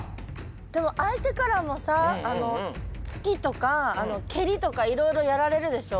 でもあいてからもさつきとかけりとかいろいろやられるでしょ？